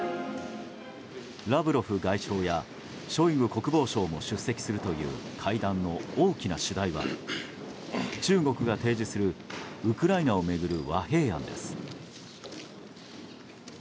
ラブロフ外相やショイグ国防相も出席するという会談の大きな主題は中国が提示するウクライナを巡る和平案です。